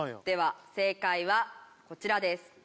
では正解はこちらです。